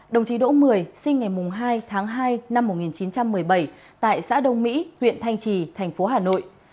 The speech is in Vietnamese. đồng chí đỗ mười sinh ngày hai tháng hai năm một nghìn chín trăm một mươi bảy tại xã đông mỹ huyện thanh trì thành phố hà nội